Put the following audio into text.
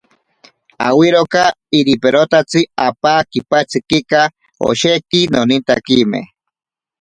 Awiroka iriperotatsi apaa kipatsikika, osheki nonintakime.